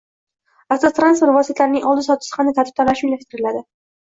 Avtotransport vositalarining oldi-sottisi qanday tartibda rasmiylashtiriladi?